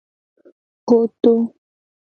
Koto.